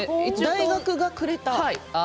大学がくれた？